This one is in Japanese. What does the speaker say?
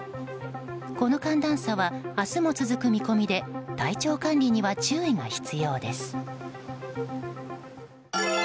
この寒暖差は明日も続く見込みで体調管理には注意が必要です。